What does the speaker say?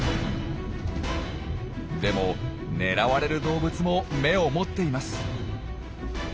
でも狙われる動物も眼を持っています。